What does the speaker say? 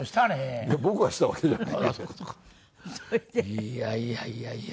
いやいやいやいや。